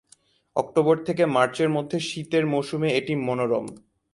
October থেকে মার্চের মধ্যে শীতের মৌসুমে এটি মনোরম।